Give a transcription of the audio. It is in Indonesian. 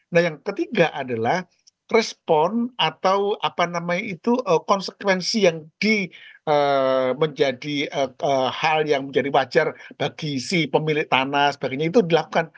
nah yang ketiga adalah respon atau apa namanya itu konsekuensi yang menjadi hal yang menjadi wajar bagi si pemilik tanah sebagainya itu dilakukan